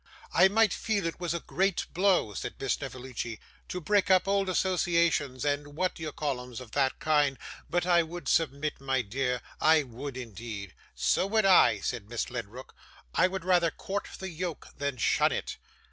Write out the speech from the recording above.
'I might feel it was a great blow,' said Miss Snevellicci, 'to break up old associations and what do you callems of that kind, but I would submit, my dear, I would indeed.' 'So would I,' said Miss Ledrook; 'I would rather court the yoke than shun it.